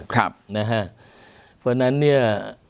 เพราะฉะนั้นเนี่ย